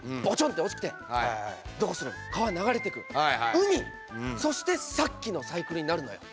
海そしてさっきのサイクルになるのよ。